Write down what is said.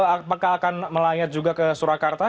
apakah akan melayat juga ke surakarta